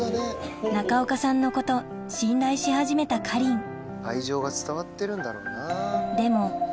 中岡さんのこと信頼し始めたかりん愛情が伝わってるんだろうな。